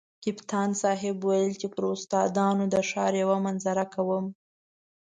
کپتان صاحب ویل چې پر استادانو د ښار یوه منظره کوم.